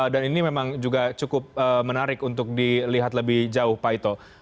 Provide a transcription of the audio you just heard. dan ini memang juga cukup menarik untuk dilihat lebih jauh pak ito